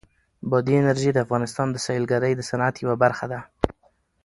بادي انرژي د افغانستان د سیلګرۍ د صنعت یوه برخه ده.